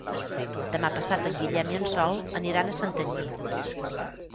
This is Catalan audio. Demà passat en Guillem i en Sol aniran a Santanyí.